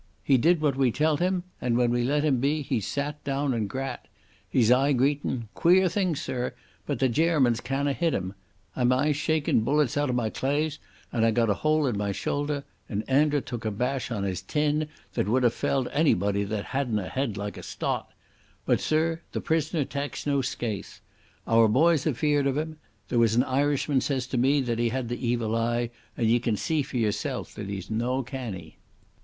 He did what we tell't him, and when we let him be he sat down and grat. He's aye greetin'.... Queer thing, sirr, but the Gairmans canna hit him. I'm aye shakin' bullets out o' my claes, and I've got a hole in my shoulder, and Andra took a bash on his tin that wad hae felled onybody that hadna a heid like a stot. But, sirr, the prisoner taks no scaith. Our boys are feared of him. There was an Irishman says to me that he had the evil eye, and ye can see for yerself that he's no canny."